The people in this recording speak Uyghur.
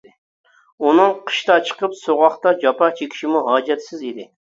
ئۇنىڭ قىشتا چىقىپ سوغۇقتا جاپا چېكىشىمۇ ھاجەتسىز ئىدى.